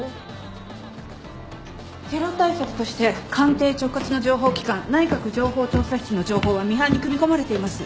テロ対策として官邸直轄の情報機関内閣情報調査室の情報はミハンに組み込まれています。